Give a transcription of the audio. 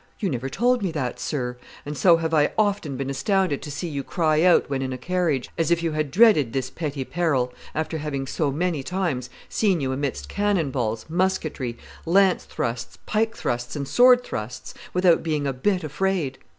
"You never told me that, sir; and so have I often been astounded to see you cry out when in a carriage, as if you had dreaded this petty peril, after having so many times seen you amidst cannon balls, musketry, lance thrusts, pike thrusts, and sword thrusts; without being a bit afraid.